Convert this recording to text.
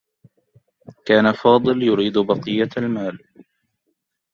كان فاضل يريد بقية المال.